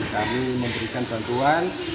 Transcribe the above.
kami memberikan bantuan